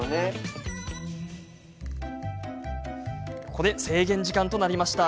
ここで制限時間となりました。